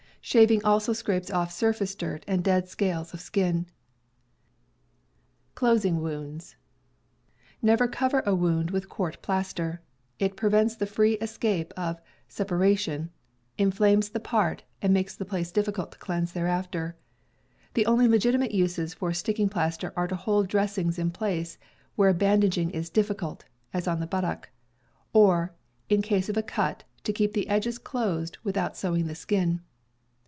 304 CAMPING AND WOODCRAFT Shaving also scrapes off the surface dirt and dead scales of skin. Never cover a wound with court plaster. It prevents the free escape of suppuration, inflames the part, and _.. makes the place difficult to cleanse .^^ thereafter. The only legitimate uses for sticking plaster are to hold dressings in place where bandaging is difficult (as on the buttock), or, in case of a cut, to keep the edges closed without sewing the skin.